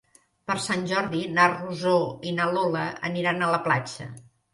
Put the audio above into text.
Per Sant Jordi na Rosó i na Lola aniran a la platja.